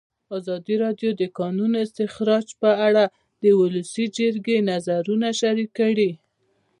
ازادي راډیو د د کانونو استخراج په اړه د ولسي جرګې نظرونه شریک کړي.